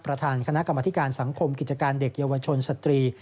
ประธานคณะกรรมธิการสังคมกิจการเด็กเยาวชนสตรี